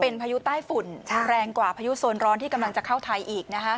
เป็นพายุใต้ฝุ่นแรงกว่าพายุโซนร้อนที่กำลังจะเข้าไทยอีกนะคะ